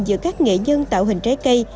giữa các nghệ nhân tạo hình trái cây